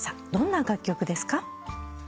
どんな楽曲ですか？